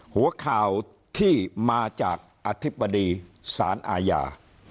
หัวข่าวที่มาจากอธิบดีสารอาญา